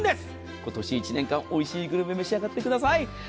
今年１年間おいしいグルメ召し上がってください。